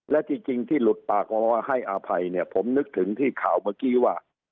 และที่จริงที่หลุดปากออกมาให้อภัยเนี่ยผมนึกถึงที่ข่าวเมื่อกี้ว่า